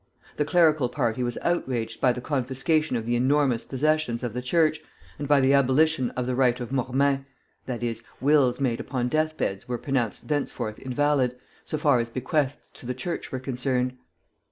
The clerical party was outraged by the confiscation of the enormous possessions of the Church, and by the abolition of the right of mortmain (i. e., wills made upon death beds were pronounced thenceforth invalid, so far as bequests to the Church were concerned).